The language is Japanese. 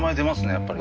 やっぱり。